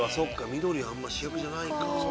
緑はあんま主役じゃないか。